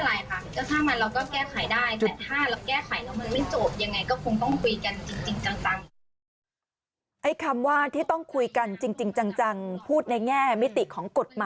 ไอ้คำว่าที่ต้องคุยกันจริงจังพูดในแง่มิติของกฎหมาย